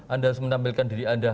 anda harus menampilkan diri anda